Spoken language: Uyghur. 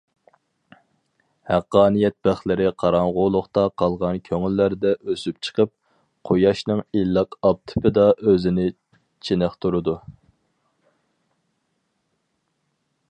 ھەققانىيەت بىخلىرى قاراڭغۇلۇقتا قالغان كۆڭۈللەردە ئۆسۈپ چىقىپ، قۇياشنىڭ ئىللىق ئاپتىپىدا ئۆزىنى چېنىقتۇرىدۇ.